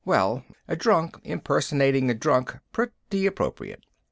Well, a drunk impersonating a drunk, pretty appropriate.